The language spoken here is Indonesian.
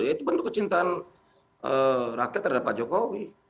ya itu bentuk kecintaan rakyat terhadap pak jokowi